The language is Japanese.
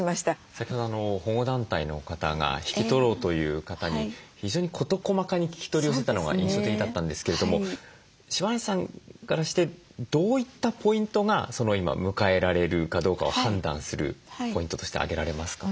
先ほど保護団体の方が引き取ろうという方に非常に事細かに聞き取りをしてたのが印象的だったんですけれども柴内さんからしてどういったポイントが今迎えられるかどうかを判断するポイントとして挙げられますか？